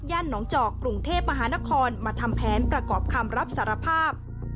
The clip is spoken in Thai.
น้องจอกกรุงเทพมหานครมาทำแผนประกอบคำรับสารภาพ